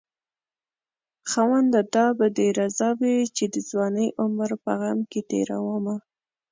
خاونده دا به دې رضا وي چې د ځوانۍ عمر په غم کې تېرومه